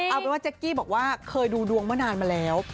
เอาเป็นว่าเจ๊กกี้บอกว่าเคยดูดวงเมื่อนานมาแล้ว